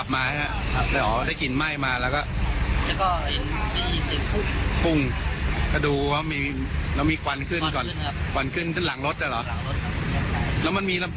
มันลุกตอนจอดมั้ยครับ